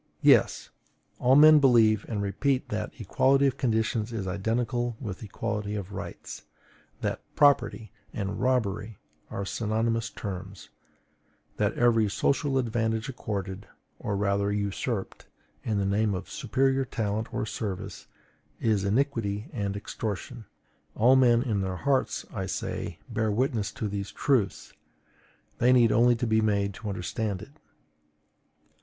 Yes: all men believe and repeat that equality of conditions is identical with equality of rights; that PROPERTY and ROBBERY are synonymous terms; that every social advantage accorded, or rather usurped, in the name of superior talent or service, is iniquity and extortion. All men in their hearts, I say, bear witness to these truths; they need only to be made to understand it.